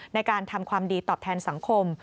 ในการทำความดีตอบแทนสังคม